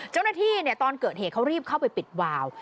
เจ้าหน้าที่เนี่ยตอนเกิดเหตุเขารีบเข้าไปปิดวาว